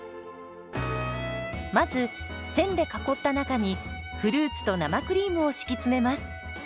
まず線で囲った中にフルーツと生クリームを敷き詰めます。